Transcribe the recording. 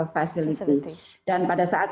facility dan pada saat